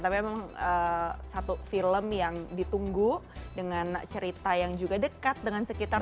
tapi emang satu film yang ditunggu dengan cerita yang juga dekat dengan sekitar